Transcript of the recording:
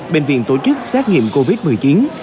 bệnh viện tổ chức xét nghiệm covid một mươi chín